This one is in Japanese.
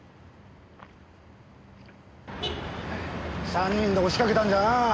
３人で押しかけたんじゃなぁ。